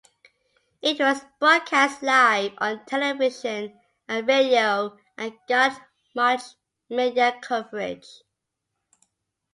It was broadcast live on television and radio and got much media coverage.